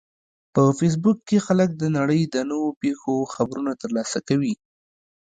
په فېسبوک کې خلک د نړۍ د نوو پیښو خبرونه ترلاسه کوي